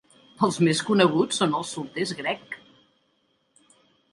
Els més coneguts són els solters Greg!